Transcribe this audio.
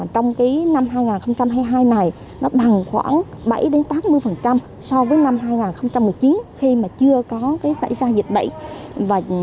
trong năm hai nghìn hai mươi hai này bằng khoảng bảy tám mươi so với năm hai nghìn một mươi chín khi chưa xảy ra dịch bệnh